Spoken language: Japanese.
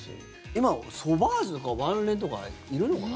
今、ソバージュとかワンレンとかいるのかな。